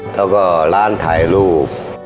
แล้วก็ร้านถ่ายรูป